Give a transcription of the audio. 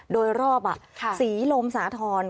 โดยรอบศรีลมสาธรณ์